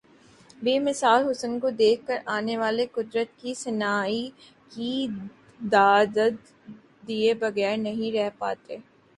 بے مثال حسن کو دیکھ کر آنے والے قدرت کی صناعی کی داد دئے بغیر نہیں رہ پاتے ۔